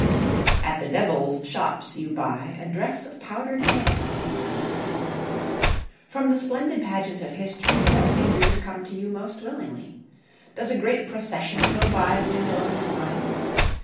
'At the devill's shopps you buy A dresse of powdered hayre.' From the splendid pageant of history what figures come to you most willingly? Does a great procession go by the window of your mind?